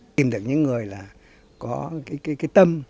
tìm được những người là có cái tâm